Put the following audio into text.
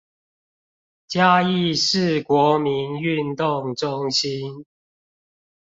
嘉義市國民運動中心